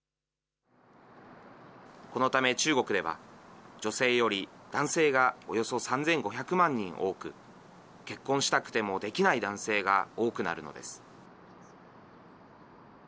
このため、中国では女性より男性がおよそ３５００万人多く、結婚したくてもできない男性が多くなるのです。